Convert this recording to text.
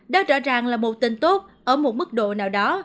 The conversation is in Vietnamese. đó rõ ràng là một tin tốt ở một mức độ nào đó